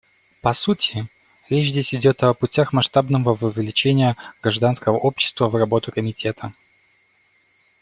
По сути, речь здесь идет о путях масштабного вовлечения гражданского общества в работу Комитета.